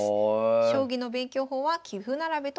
将棋の勉強法は棋譜並べと詰将棋。